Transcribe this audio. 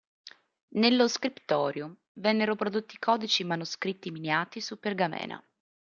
Nello "scriptorium" vennero prodotti codici manoscritti miniati su pergamena.